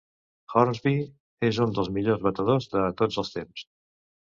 Hornsby és un dels millors batedors de tots els temps.